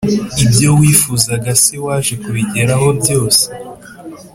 ibyo wifuzaga se waje kubigeraho byose?